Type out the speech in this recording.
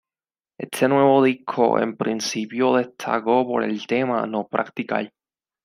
Este nuevo disco en principio destacó por el tema "No practicar".